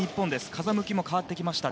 風向きも変わってきました。